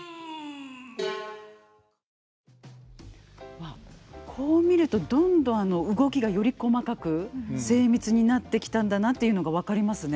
まあこう見るとどんどん動きがより細かく精密になってきたんだなっていうのが分かりますね。